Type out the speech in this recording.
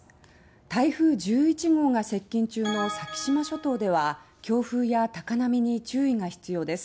台風１１号が接近中の先島諸島では強風や高波に注意が必要です。